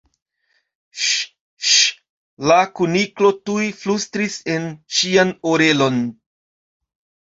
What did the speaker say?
"Ŝ! Ŝ!" la Kuniklo tuj flustris en ŝian orelon.